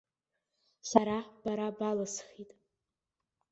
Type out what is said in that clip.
Сара бара балысхит.